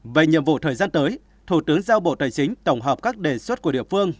về nhiệm vụ thời gian tới thủ tướng giao bộ tài chính tổng hợp các đề xuất của địa phương